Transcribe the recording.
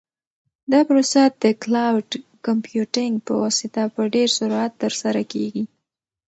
دا پروسه د کلاوډ کمپیوټینګ په واسطه په ډېر سرعت ترسره کیږي.